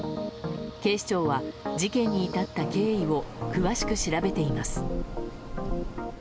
警視庁は事件に至った経緯を詳しく調べています。